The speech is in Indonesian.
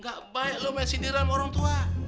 gak baik lo main sidiran sama orang tua